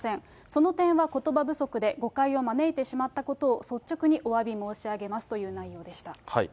その点はことば不足で、誤解を招いてしまったことを率直におわび申し上げますという内容でした。